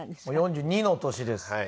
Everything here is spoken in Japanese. もう４２の年です。